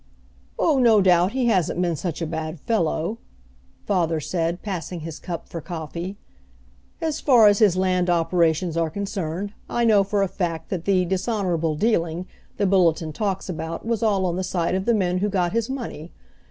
"Oh, no doubt he hasn't been such a bad fellow," father said, passing his cup for coffee. "As far as his land operations are concerned, I know for a fact that the 'dishonorable dealing' the Bulletin talks about was all on the side of the men who got his money.